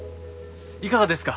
いかがですか？